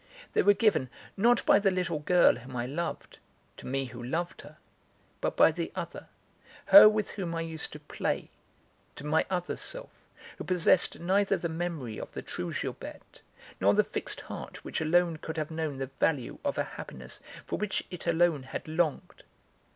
They were given, not by the little girl whom I loved, to me who loved her, but by the other, her with whom I used to play, to my other self, who possessed neither the memory of the true Gilberte, nor the fixed heart which alone could have known the value of a happiness for which it alone had longed.